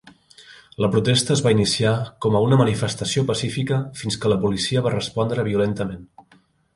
La protesta es va iniciar com a una manifestació pacífica fins que la policia va respondre violentament.